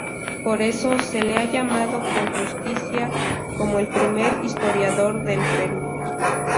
Por eso, se le ha llamado con justicia como el primer historiador del Perú.